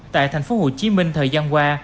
tại thành phố hồ chí minh thời gian qua